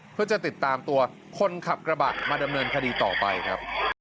เพื่อจะติดตามตัวคนขับกระบะมาดำเนินคดีต่อไปครับ